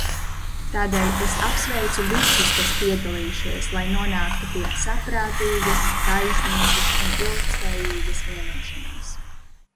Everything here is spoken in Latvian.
Tādēļ es apsveicu visus, kas piedalījušies, lai nonāktu pie saprātīgas, taisnīgas un ilgtspējīgas vienošanās.